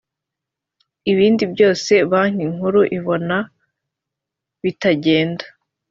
ibindi byose banki nkuru ibona bitagenda